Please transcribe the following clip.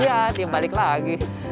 ya timbalik lagi